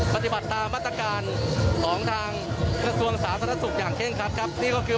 ปฏิบัติตามตาการสองทางรัสงศาสนสุขอย่างเช่นครับนี่ก็คือ